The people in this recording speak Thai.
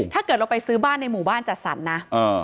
ถ้าเกิดเราไปซื้อบ้านในหมู่บ้านจัดสรรนะ